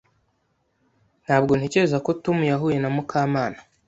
Ntabwo ntekereza ko Tom yahuye na Mukamana.